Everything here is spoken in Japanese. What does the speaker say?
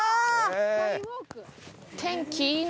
天気いいな。